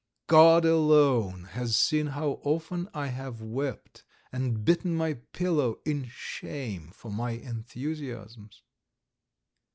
God alone has seen how often I have wept and bitten my pillow in shame for my enthusiasms.